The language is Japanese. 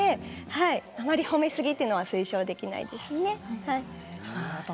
あまり褒めすぎは推奨できないですね。